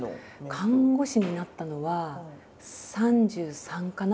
看護師になったのは３３かな？